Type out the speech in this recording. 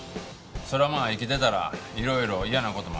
そりゃまあ生きてたらいろいろ嫌な事もあるがな。